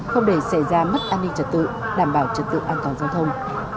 không để xảy ra mất an ninh trật tự đảm bảo trật tự an toàn giao thông